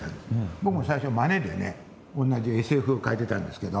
僕も最初まねでね同じＳＦを描いてたんですけど。